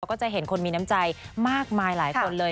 ก็จะเห็นคนมีน้ำใจมากมายหลายคนเลย